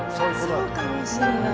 そうかもしれない。